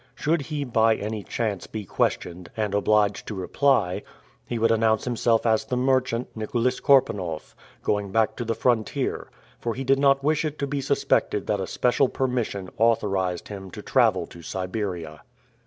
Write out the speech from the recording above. Should he by any chance be questioned, and obliged to reply, he would announce himself as the merchant Nicholas Korpanoff, going back to the frontier, for he did not wish it to be suspected that a special permission authorized him to travel to Siberia.